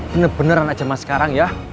bener bener anak zaman sekarang ya